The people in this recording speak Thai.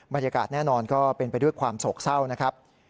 บรรยากาศแน่นอนก็เป็นไปด้วยความโศกเศร้านะครับ